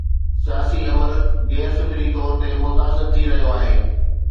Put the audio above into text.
سياسي عمل غير فطري طور متاثر ٿي رهيو آهي.